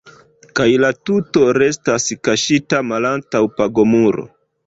Kaj la tuto restas kaŝita malantaŭ pagomuro.